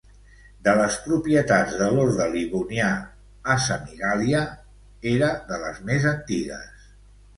De les propietats de l'Orde Livonià a Semigàlia, era de les més antigues.